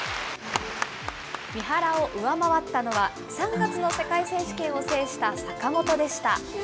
三原を上回ったのは、３月の世界選手権を制した坂本でした。